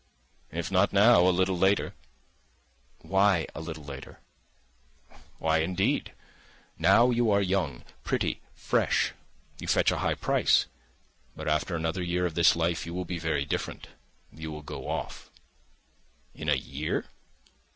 "If not now, a little later." "Why a little later?" "Why, indeed? Now you are young, pretty, fresh, you fetch a high price. But after another year of this life you will be very different—you will go off." "In a year?"